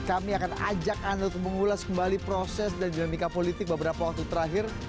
kami akan ajak anda untuk mengulas kembali proses dan dinamika politik beberapa waktu terakhir